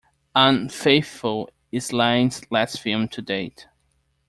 "Unfaithful" is Lyne's last film to date.